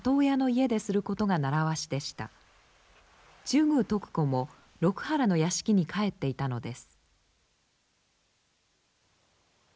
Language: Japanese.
中宮徳子も六波羅の屋敷に帰っていたのです。